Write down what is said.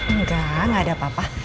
enggak enggak ada apa apa